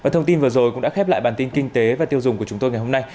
thông tin vừa rồi cũng đã khép lại bản tin kinh tế và tiêu dùng của chúng tôi ngày hôm nay